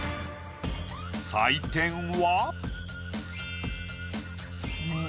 採点は。